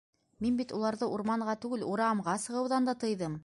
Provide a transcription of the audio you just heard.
Мин бит уларҙы урманға түгел, урамға сығыуҙан да тыйҙым.